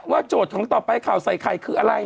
ว่าโจทย์ของต่อไปข่าวไสข่ายคืออะไร